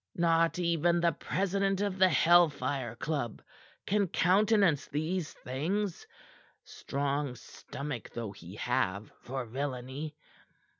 Not even the president of the Hell Fire Club can countenance these things, strong stomach though he have for villainy.